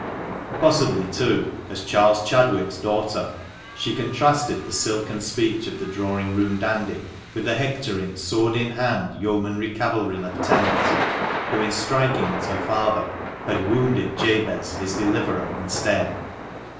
Possibly, too, as Charles Chadwick's daughter, she contrasted the silken speech of the drawing room dandy with the hectoring, sword in hand, yeomanry cavalry lieutenant who, in striking at her father, had wounded Jabez, his deliverer, instead.